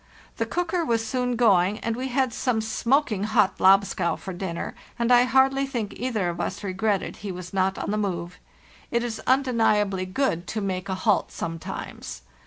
The cooker was soon going, and we had some smoking hot lobscouse for dinner, and I hardly think either of us regretted he was not on the move; it 1s undeniably good to make a halt sometimes.